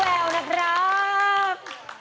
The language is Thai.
ถูกเขาทำร้ายเพราะใจเธอแบกรับมันเอง